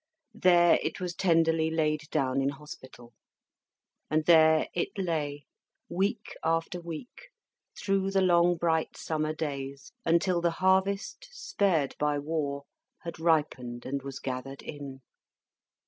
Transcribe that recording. There it was tenderly laid down in hospital; and there it lay, week after week, through the long bright summer days, until the harvest, spared by war, had ripened and was gathered in.